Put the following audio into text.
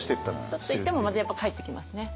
ちょっと行ってもまたやっぱ帰ってきますね。